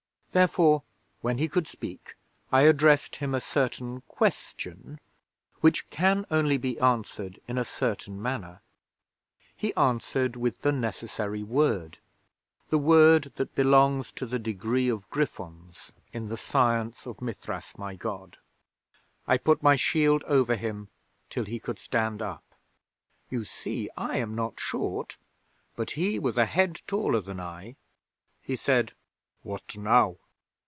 'Therefore, when he could speak, I addressed him a certain Question which can only be answered in a certain manner. He answered with the necessary Word the Word that belongs to the Degree of Gryphons in the science of Mithras my God. I put my shield over him till he could stand up. You see I am not short, but he was a head taller than I. He said: "What now?"